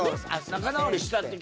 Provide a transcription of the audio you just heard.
「仲直りした」って。